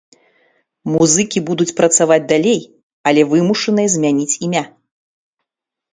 Музыкі будуць працаваць далей, але вымушаныя змяніць імя.